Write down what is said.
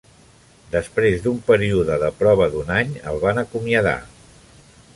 Després d'un període de prova d'un any, el van acomiadar.